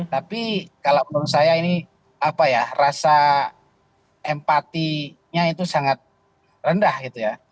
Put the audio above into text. tapi kalau menurut saya ini apa ya rasa empatinya itu sangat rendah gitu ya